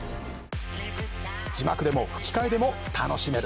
字幕でも吹き替えでも楽しめる。